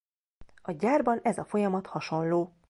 A gyárban ez a folyamat hasonló.